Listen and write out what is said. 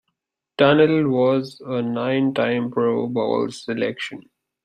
Tunnell was a nine-time Pro Bowl selection.